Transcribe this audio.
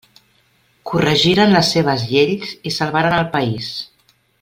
Corregiren les seves lleis i salvaren el país.